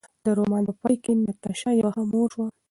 د رومان په پای کې ناتاشا یوه ښه مور شوه.